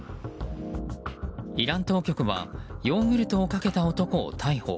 イラン当局はヨーグルトをかけた男を逮捕。